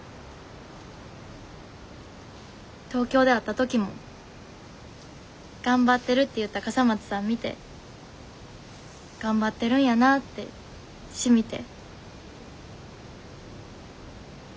東京で会った時も「頑張ってる」って言った笠松さん見て「頑張ってるんやな」ってしみて。